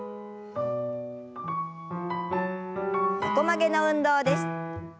横曲げの運動です。